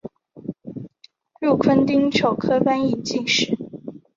禄坤丁丑科翻译进士。